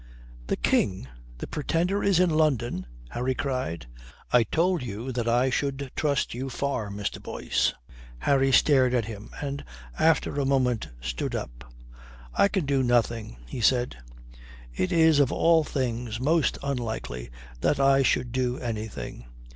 "The King? The Pretender is in London?" Harry cried. "I told you that I should trust you far, Mr. Boyce." Harry stared at him, and after a moment stood up. "I can do nothing," he said. "It is of all things most unlikely that I should do anything.